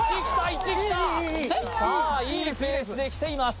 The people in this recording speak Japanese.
１きたさあいいペースできています